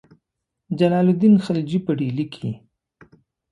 جلال الدین خلجي په ډهلي کې.